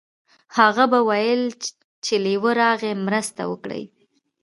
هغه به ویل چې لیوه راغی مرسته وکړئ.